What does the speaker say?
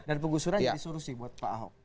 dan penggusuran jadi solusi buat pak ahok